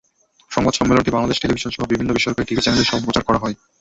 সংবাদ সম্মেলনটি বাংলাদেশ টেলিভিশনসহ বিভিন্ন বেসরকারি টিভি চ্যানেলে সরাসরি সম্প্রচার করা হয়।